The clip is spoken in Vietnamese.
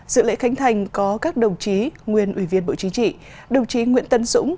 dự lễ khánh thành có các đồng chí nguyên ủy viên bộ chính trị đồng chí nguyễn tấn dũng